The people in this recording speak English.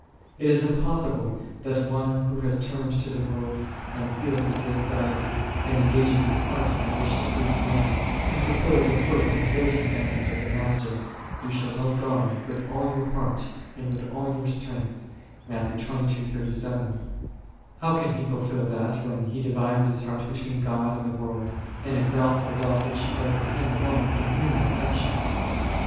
It is impossible that one who has turned to the world and feels its anxieties, and engages his Iheart in the wish to please men, can fulfil that first and great commandment of the Master, " Thou shalt love God with all thy heart and with all thy strength4." How can he fulfil that, when he divides his heart between God and the world, and exhausts the love which he owes to Him alone in human affections?